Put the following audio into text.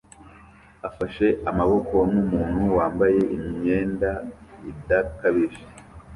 afashe amaboko numuntu wambaye imyenda idakabije